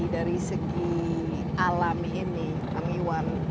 dari segi alam ini kang iwan